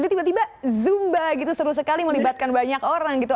jadi tiba tiba zumba gitu seru sekali melibatkan banyak orang gitu